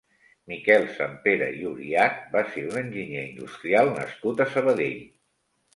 Miquel Sampere i Oriach va ser un enginyer industrial nascut a Sabadell.